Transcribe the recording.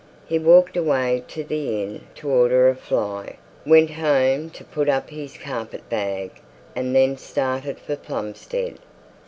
He walked away to the inn to order a fly, went home to put up his carpet bag, and then started for Plumstead.